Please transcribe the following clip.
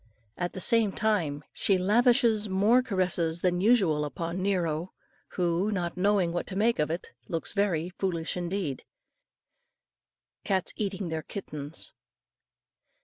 At the same time she lavishes more caresses than usual upon Nero, who, not knowing what to make of it, looks very foolish indeed. CATS EATING THEIR KITTENS.